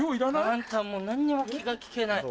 あんたもう何にも気が利かない。